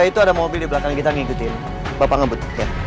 itu ada mobil di belakang kita ngikutin bapak ngebut